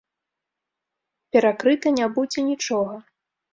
Перакрыта не будзе нічога.